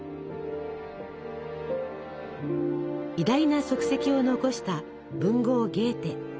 偉大な足跡を残した文豪ゲーテ。